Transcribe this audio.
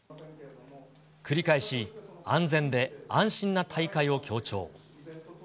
繰り返し、安全で安心な大会を強調。